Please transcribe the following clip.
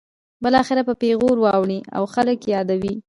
بالاخره په پیغور واړوي او خلک یې یادوي.